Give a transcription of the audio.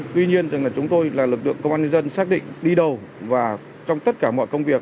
tuy nhiên chúng tôi là lực lượng công an dân xác định đi đâu và trong tất cả mọi công việc